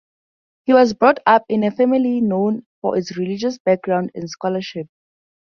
He was brought up into a family known for its religious background and scholarship.